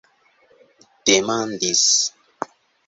demandis